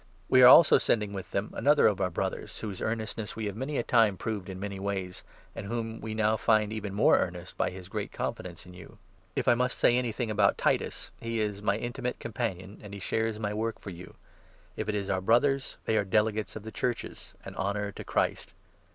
We are also sending with them another of our Brothers, whose 22 earnestness we have many a time proved in many ways, and whom we now find made even more earnest by his great confidence in you. If I must say anything about Titus, he is 23 my intimate companion, and he shares my work for you ; if it is our Brothers, they are delegates of the Churches, an honour to Christ.